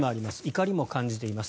怒りも感じています